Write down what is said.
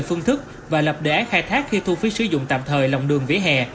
phương thức và lập đề án khai thác khi thu phí sử dụng tạm thời lòng đường vỉa hè